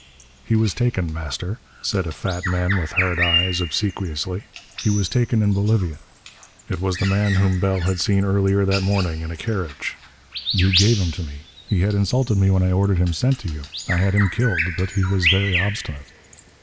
"He was taken, Master," said a fat man with hard eyes, obsequiously, "he was taken in Bolivia." It was the man whom Bell had seen earlier that morning in a carriage. "You gave him to me. He had insulted me when I ordered him sent to you. I had him killed, but he was very obstinate."